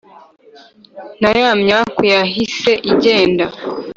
na ya myaku yahise igende